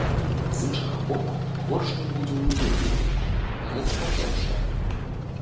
З іншага боку, горш не будзе ў любым выпадку, гэта па-першае.